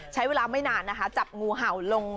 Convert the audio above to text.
พี่พินโย